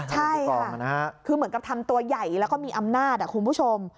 ใช่ค่ะคือเหมือนกับทำตัวใหญ่แล้วก็มีอำนาจคุณผู้ชม